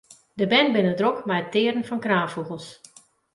De bern binne drok mei it tearen fan kraanfûgels.